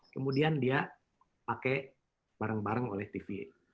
kemudian dia pakai barang barang oleh tv